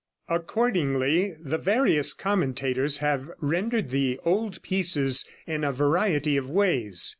Accordingly, the various commentators have rendered the old pieces in a variety of ways.